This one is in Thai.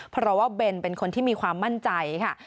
เพราะว่าเบนเป็นคนที่มีความมั่นใจค่ะ